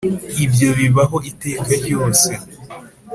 ibyo bibaho iteka ryose.